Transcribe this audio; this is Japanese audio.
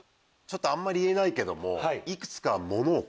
あんまり言えないけども。